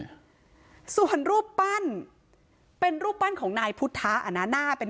ด้วยส่วนรูปปั้นเป็นรูปปั้นของนายพุทธะอ่ะนะหน้าเป็น